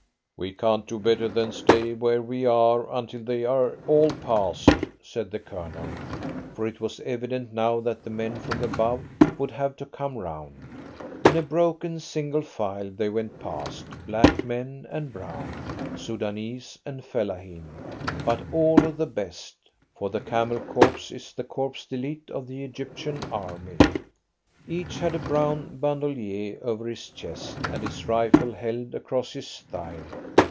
"We can't do better than stay where we are until they are all past," said the Colonel, for it was evident now that the men from above would have to come round. In a broken single file they went past, black men and brown, Soudanese and fellaheen, but all of the best, for the Camel Corps is the corps d'elite of the Egyptian army. Each had a brown bandolier over his chest and his rifle held across his thigh.